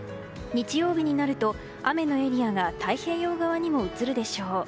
日曜日になると、雨のエリアが太平洋側にも移るでしょう。